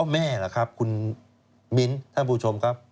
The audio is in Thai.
แม่ล่ะครับคุณมิ้นท่านผู้ชมครับ